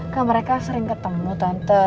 kan mereka sering ketemu tante